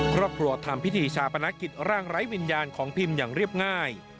ครอบครัวทำพิธีชาปนกิจร่างไร้วิญญาณของพิมอย่างเรียบง่าย